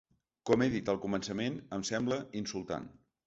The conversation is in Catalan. Com he dit al començament, em sembla insultant.